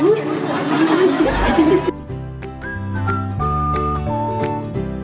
ตื่นเต้นมาก